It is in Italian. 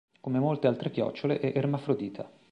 Come molte altre chiocciole è ermafrodita.